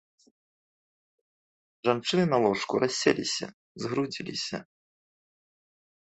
Жанчыны на ложку расселіся, згрудзіліся.